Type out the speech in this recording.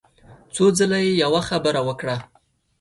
څو ځله يې يوه خبره وکړه.